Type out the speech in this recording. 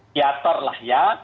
teater lah ya